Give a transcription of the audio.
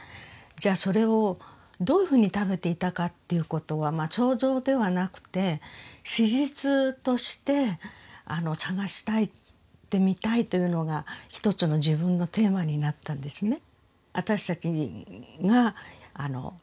じゃそれをどういうふうに食べていたかということは想像ではなくて史実として探してみたいというのが一つの自分のテーマになったんですね。